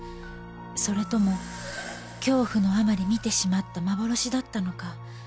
それとも恐怖のあまり見てしまった幻だったのか？